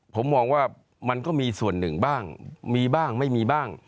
ผมมองมีส่วนหนึ่งบ้างมีบ้างไม่มีบ้าง